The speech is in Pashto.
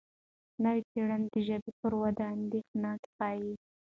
نوې څېړنې د ژبې پر وده اندېښنه ښيي.